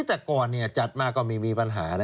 แต่ก่อนจัดมาก็ไม่มีปัญหานะ